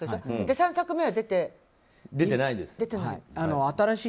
３作目は出てない。